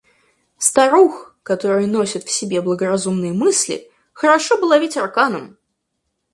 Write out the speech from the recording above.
Старух, которые носят в себе благоразумные мысли, хорошо бы ловить арканом.